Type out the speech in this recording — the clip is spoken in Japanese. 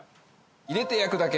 「入れて焼くだけ！